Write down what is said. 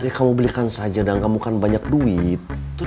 ya kamu belikan saja dan kamu kan banyak duit